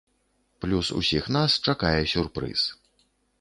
Плюс усіх нас чакае сюрпрыз!